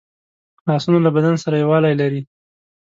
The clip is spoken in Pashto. لاسونه له بدن سره یووالی لري